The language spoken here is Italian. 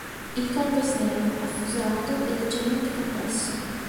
Il corpo è snello, affusolato e leggermente compresso.